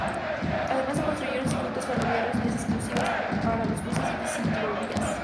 Además se construyeron circuitos ferroviarios, vías exclusivas para los buses y ciclovías.